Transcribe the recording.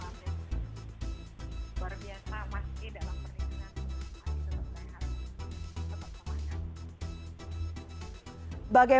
luar biasa masih dalam perlindungan